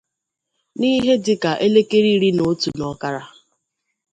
N’ihe dịka elekere iri na otu na ọkara